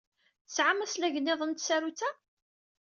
Tesɛam aslag niḍen n tsarut-a?